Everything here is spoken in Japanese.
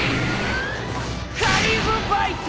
カリブバイト！